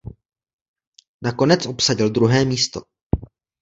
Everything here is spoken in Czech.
Nakonec obsadil druhé místo.